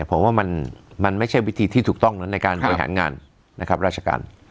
ผมว่ามันไม่ใช่วิธีที่ถูกต้องนะในการบริหารงานนะครับราชการ